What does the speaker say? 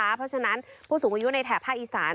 เพราะฉะนั้นผู้สูงอายุในแถบภาคอีสาน